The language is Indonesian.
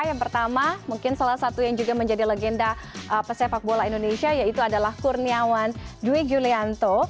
yang pertama mungkin salah satu yang juga menjadi legenda pesepak bola indonesia yaitu adalah kurniawan dwi julianto